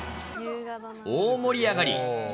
大盛り上がり。